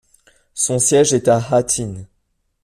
Son siège est à Hà Tĩnh'.